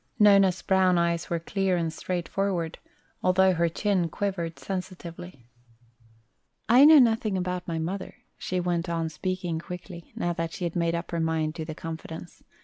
Nona's brown eyes were clear and straightforward, although her chin quivered sensitively. "I know nothing about my mother," she went on speaking quickly, now that she had made up her mind to the confidence.